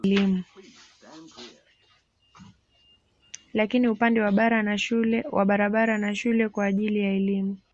Lakini upande wa barabara na shule kwa ajili ya elimu